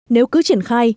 nếu cứ triển khai